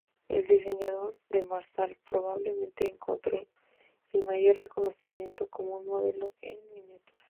El diseño del Marzal probablemente encontró el mayor reconocimiento como un modelo en miniatura.